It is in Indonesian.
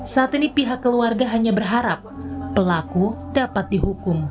saat ini pihak keluarga hanya berharap pelaku dapat dihukum